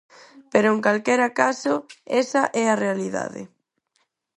Pero, en calquera caso, esa é a realidade.